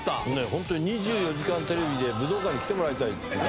本当に、２４時間テレビで武道館に来てもらいたい。